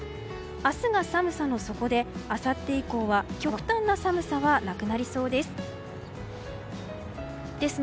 明日が寒さの底であさって以降は極端な寒さはなくなりそうです。